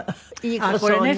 あっこれね。